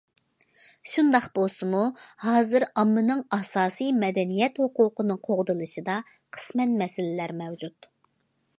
شۇنداق بولسىمۇ، ھازىر ئاممىنىڭ ئاساسىي مەدەنىيەت ھوقۇقىنىڭ قوغدىلىشىدا قىسمەن مەسىلىلەر مەۋجۇت.